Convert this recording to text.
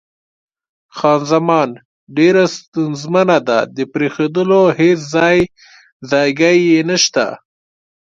خان زمان: ډېره ستونزمنه ده، د پرېښودلو هېڅ ځای ځایګی یې نشته.